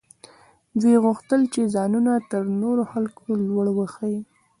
دوی غوښتل چې ځانونه تر نورو خلکو لوړ وښيي.